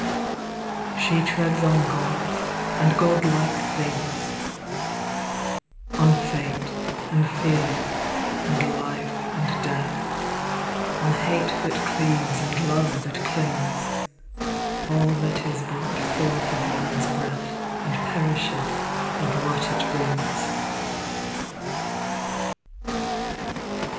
XVII She treads on gods and god like things, On fate and fear and life and death, On hate that cleaves and love that clings, All that is brought forth of man's breath And perisheth with what it brings.